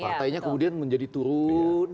partainya kemudian menjadi turun